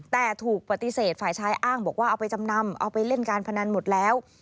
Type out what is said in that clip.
แต่ถูกปฏิเสธฝ่ายชายอ้างบอกว่าเอาไปจำนำเอาไปเล่นการพนันหมดแล้ว